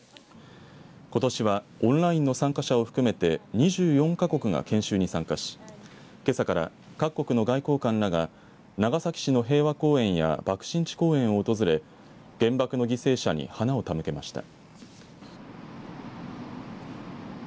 ことしはオンラインの参加者を含めて２４か国が研修に参加しけさから各国の外交官らが長崎市の平和公園や爆心地公園を訪れ原爆の犠牲者に花を手向けました。